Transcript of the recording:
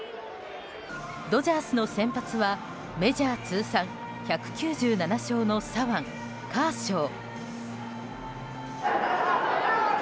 ドジャースの先発はメジャー通算１９７勝の左腕カーショー。